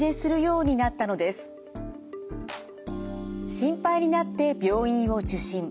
心配になって病院を受診。